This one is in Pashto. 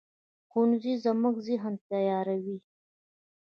ښوونځی زموږ ذهن تیاروي